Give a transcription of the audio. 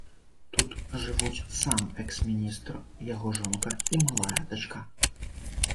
Тут жывуць сам экс-міністр, яго жонка і малая дачка.